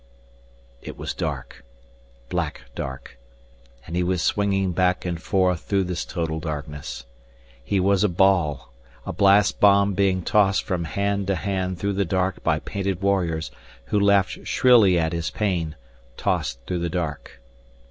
It was dark black dark. And he was swinging back and forth through this total darkness. He was a ball, a blast bomb being tossed from hand to hand through the dark by painted warriors who laughed shrilly at his pain, tossed through the dark.